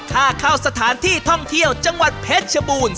ค่าเข้าสถานที่ท่องเที่ยวจังหวัดเพชรชบูรณ์